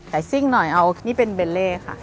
แต่ซิ่งหน่อยเอานี่เป็นเบลเล่ค่ะ